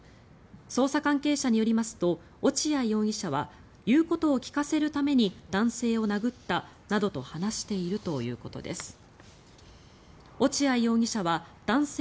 捜査関係者によりますと落合容疑者は言うことを聞かせるために男性を殴ったなどと話しているということです。